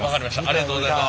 ありがとうございます。